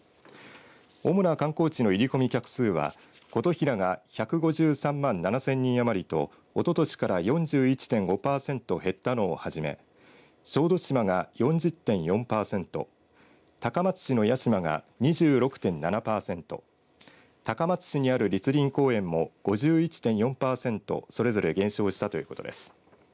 主な観光地の入り込み客数は琴平が１５３万７０００人余りとおととしから４１．５パーセント減ったのをはじめ小豆島が４０．４パーセント高松市の屋島が２６．７パーセント高松市にある栗林公園も５１．４パーセントそれぞれ減少したということです。